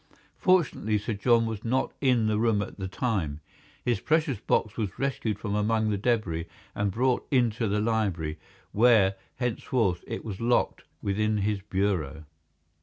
Fortunately Sir John was not in the room at the time. His precious box was rescued from amongst the debris and brought into the library, where, henceforward, it was locked within his bureau.